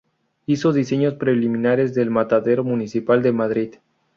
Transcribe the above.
Hizo diseños preliminares del Matadero Municipal de Madrid.